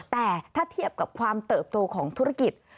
แต่ถ้าเทียบกับความเติบโตของธุรกิจ